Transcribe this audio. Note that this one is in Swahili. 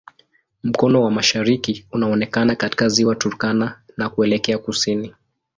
Mkono wa mashariki unaonekana katika Ziwa Turkana na kuelekea kusini.